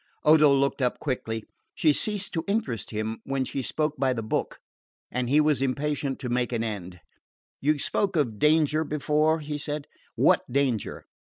Odo looked up quickly. She ceased to interest him when she spoke by the book, and he was impatient to make an end. "You spoke of danger before," he said. "What danger?"